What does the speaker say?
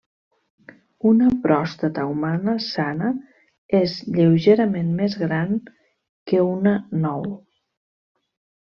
Una pròstata humana sana és lleugerament més gran que una nou.